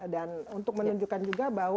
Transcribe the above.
dan untuk menunjukkan juga bahwa